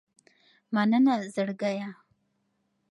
مننه زړګیه